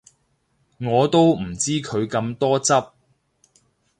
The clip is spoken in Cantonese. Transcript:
我都唔知佢咁多汁